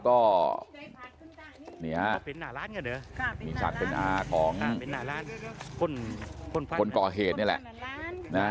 ก็มีศาสตร์เป็นอาของคนก่อเหตุนี่แหละ